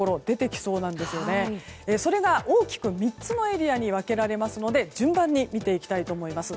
それが大きく３つのエリアに分けられますので順番に見ていきたいと思います。